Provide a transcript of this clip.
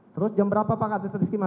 terus jam berapa pak atas estimasi